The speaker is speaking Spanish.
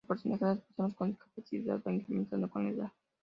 El porcentaje de personas con discapacidades va incrementándose con la edad.